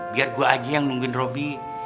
biar gua aja yang nungguin robby